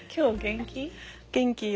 元気よ。